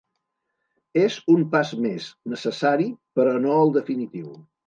És un pas més, necessari, però no el definitiu.